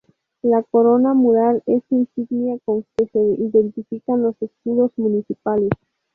La corona mural es insignia con que se identifican los escudos municipales.